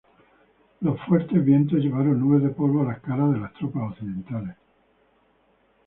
Los fuertes vientos llevaron nubes de polvo a las caras de las tropas occidentales.